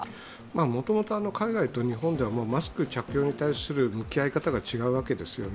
もともと海外と日本ではマスク着用に対する向き合い方が違うわけですよね。